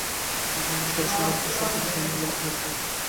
বিষয়টি অনুধাবন করেই সম্ভবত সরকার বিধিমালা জারি করতে যাচ্ছে।